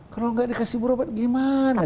kalau nggak dikasih berobat gimana